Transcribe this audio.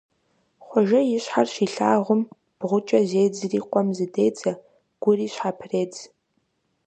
Хъуэжэ и щхьэр щилъагъум, бгъукӀэ зедзри къуэм зыдедзэ, гури щхьэпредз.